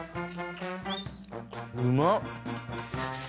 うまっ。